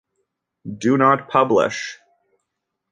Do Not Publish!